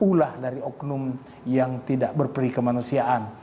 ulah dari oknum yang tidak berperi kemanusiaan